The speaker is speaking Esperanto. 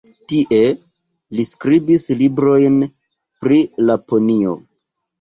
Tie li skribis librojn pri Laponio.